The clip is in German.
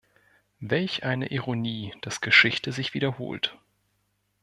Welch eine Ironie, dass Geschichte sich wiederholt!